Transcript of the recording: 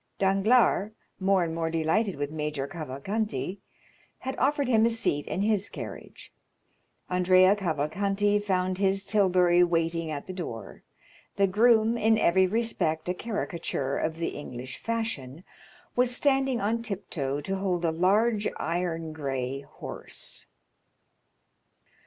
Danglars, more and more delighted with Major Cavalcanti, had offered him a seat in his carriage. Andrea Cavalcanti found his tilbury waiting at the door; the groom, in every respect a caricature of the English fashion, was standing on tiptoe to hold a large iron gray horse.